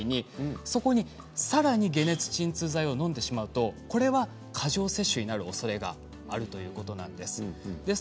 そこにさらに解熱鎮痛剤をのんでしまうと過剰摂取になるおそれがあるということなんです。